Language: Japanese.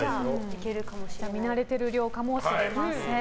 見慣れてる量かもしれません。